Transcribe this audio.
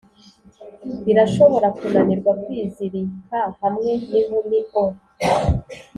birashobora kunanirwa kwizirika hamwe ninkumi o